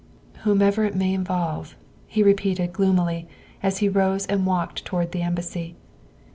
'' "Whomever it may involve, '' he repeated gloomily as he rose and walked towards the Embassy.